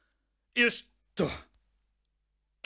よしっと。